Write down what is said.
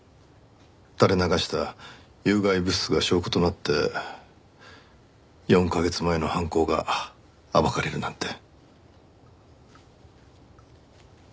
垂れ流した有害物質が証拠となって４カ月前の犯行が暴かれるなんて。